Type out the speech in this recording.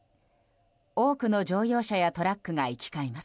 多くの乗用車やトラックが行き交います。